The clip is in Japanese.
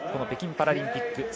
北京パラリンピック